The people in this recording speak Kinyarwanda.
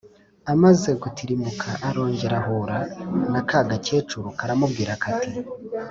Amaze gutirimuka arongera ahura na ka gakecuru karamubwira kati: